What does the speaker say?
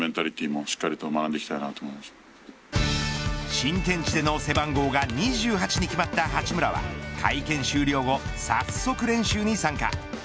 新天地での背番号が２８に決まった八村は会見終了後、早速練習に参加。